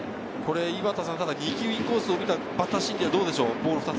２球インコースを見たバッター心理はどうでしょうか？